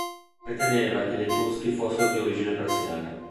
Riteneva che gli etruschi fossero di origine persiana.